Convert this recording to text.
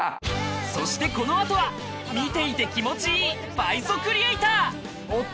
そしてこの後は見ていて気持ちいい「倍速リエイター」！